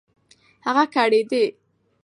هغه کړېدی .